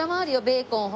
ベーコン。